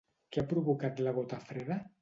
Què ha provocat la gota freda?